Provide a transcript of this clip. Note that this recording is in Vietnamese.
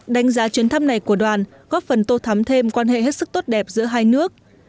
đánh giá chuyến thăm này của đoàn góp phần tô thắm thêm quan hệ hết sức tốt đẹp giữa hai nước